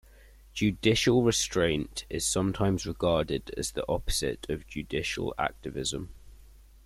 Judicial restraint is sometimes regarded as the opposite of judicial activism.